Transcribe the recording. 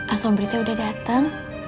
asobri tuh udah dateng